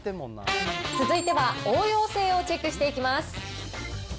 続いては応用性をチェックしていきます。